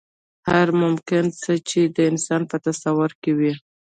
هر ممکن څه چې د انسان په تصور کې وي.